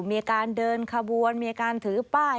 มีการเดินขบวนมีการถือป้าย